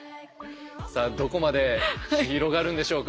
さあどこまで広がるんでしょうか？